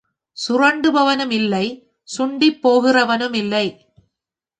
சுரண்டுபவனுமில்லை, சுண்டிப் போகின்றவனுமில்லை.